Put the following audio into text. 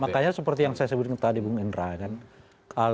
makanya seperti yang saya sebutkan tadi bung indra kan